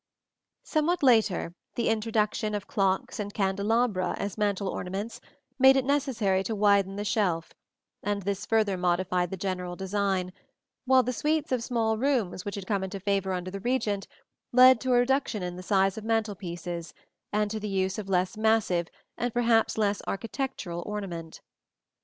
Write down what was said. ] Somewhat later the introduction of clocks and candelabra as mantel ornaments made it necessary to widen the shelf, and this further modified the general design; while the suites of small rooms which had come into favor under the Regent led to a reduction in the size of mantel pieces, and to the use of less massive and perhaps less architectural ornament.